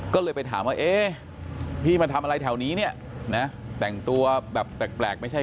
ก็เลยไปถามว่าเอ๊ะพี่มาทำอะไรแถวนี้เนี่ยนะแต่งตัวแบบแปลกไม่ใช่